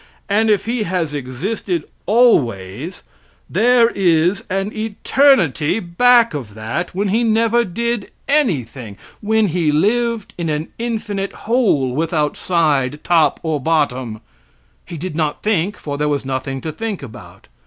And if he has existed always, there is an eternity back of that when he never did anything; when he lived in an infinite hole, without side, top or bottom! He did not think, for there was nothing to think about.